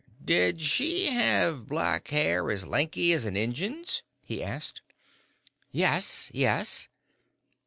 "Did she have black hair as lanky as an Injun's?" he asked. "Yes, yes."